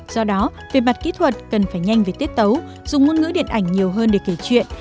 do đó về mặt kỹ thuật cần phải nhanh về tiết tấu dùng ngôn ngữ điện ảnh nhiều hơn để kể chuyện